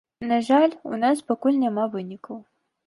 На жаль, у нас пакуль няма вынікаў.